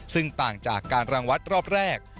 ซึ่งต่างจากการรังวัดรอบแรก